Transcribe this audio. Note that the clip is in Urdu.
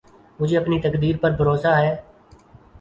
مجھے اپنی تقدیر پر بھروسہ ہے